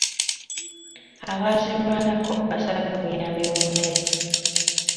Abaazirwanako baasabye obuyambi bw'emmere .